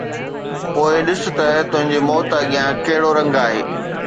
پوءِ ڏس ته تنهنجي موت اڳيان ڪهڙو رنگ آهي